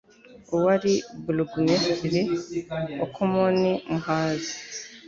Uwari Burgumesiteri wa Komini Muhazi